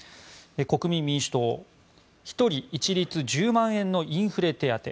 国民民主党、１人一律１０万円のインフレ手当。